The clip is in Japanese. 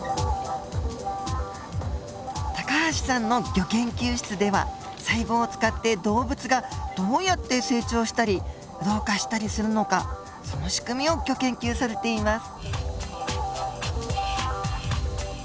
高橋さんのギョ研究室では細胞を使って動物がどうやって成長したり老化したりするのかその仕組みをギョ研究されています。